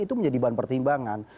itu menjadi bahan pertimbangan